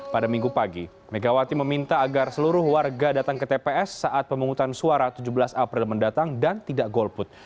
pada minggu pagi megawati meminta agar seluruh warga datang ke tps saat pemungutan suara tujuh belas april mendatang dan tidak golput